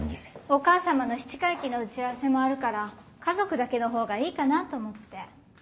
お母様の七回忌の打ち合わせもあるから家族だけのほうがいいかなと思って。